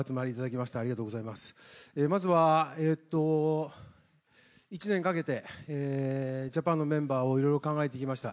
まずは１年かけてジャパンのメンバーをいろいろ考えてきました。